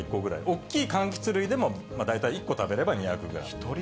大きいかんきつ類でも大体１個食べれば２００グラム。